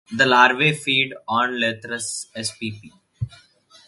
The larvae feed on "Lathyrus" spp.